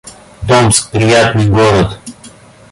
Томск — приятный город